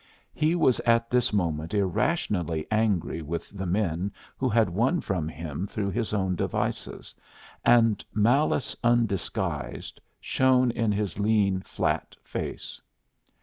He was at this moment irrationally angry with the men who had won from him through his own devices, and malice undisguised shone in his lean flat face.